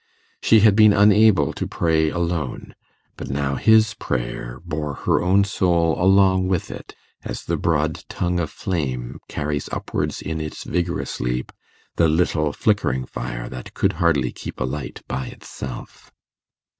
She had been unable to pray alone; but now his prayer bore her own soul along with it, as the broad tongue of flame carries upwards in its vigorous leap the little flickering fire that could hardly keep alight by itself.